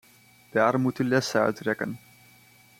Daar moet u lessen uit trekken.